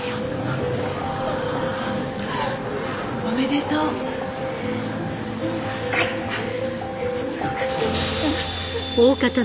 おめでとう！